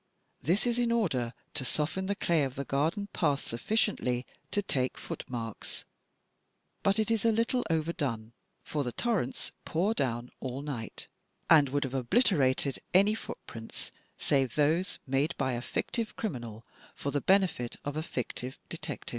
This is in order to soften the clay of the garden path suffi ciently to take footmarks; but it is a little overdone, for the torrents pour down all night, and would have obliterated any footprints save those made by a fictive criminal for the benefit of a fictive detective.